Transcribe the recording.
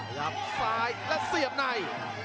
หลับซ้ายและเสียบใน